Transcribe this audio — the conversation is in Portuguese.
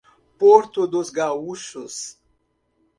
Porto dos Gaúchos